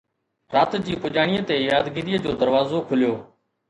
رات جي پڄاڻيءَ تي يادگيريءَ جو دروازو کليو